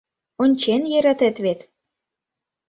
Ончен йӧратет вет.